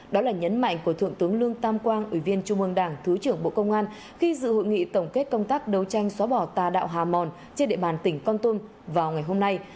đó là nhấn mạnh của thượng tướng lương tam quang ủy viên trung ương đảng thứ trưởng bộ công an khi dự hội nghị tổng kết công tác đấu tranh xóa bỏ tà đạo hà mòn trên địa bàn tỉnh con tum vào ngày hôm nay